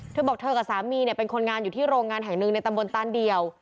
เธอบอกเธอกับสามีเนี่ยเป็นคนงานอยู่ที่โรงงานแห่งหนึ่งในตำบลตานเดียว